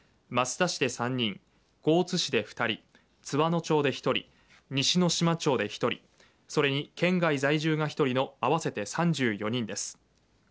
益田市で３人江津市で２人津和野町で１人西ノ島町で１人それに県外在住が１人の合わせて３４人です。